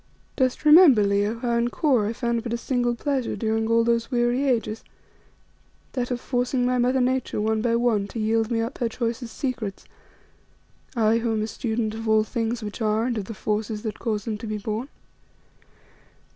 "Dost remember, Leo, how in Kôr I found but a single pleasure during all those weary ages that of forcing my mother Nature one by one to yield me up her choicest secrets; I, who am a student of all things which are and of the forces that cause them to be born.